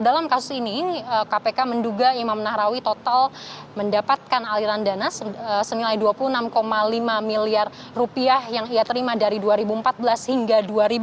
dalam kasus ini kpk menduga imam nahrawi total mendapatkan aliran dana senilai dua puluh enam lima miliar rupiah yang ia terima dari dua ribu empat belas hingga dua ribu dua puluh